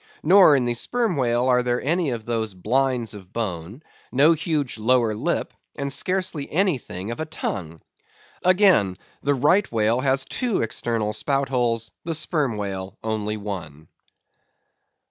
Nor in the Sperm Whale are there any of those blinds of bone; no huge lower lip; and scarcely anything of a tongue. Again, the Right Whale has two external spout holes, the Sperm Whale only one.